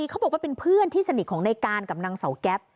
เขาบอกว่าเป็นเพื่อนที่สนิทของในการกับนางเสาแก๊ป